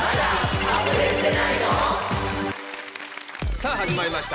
さあ始まりました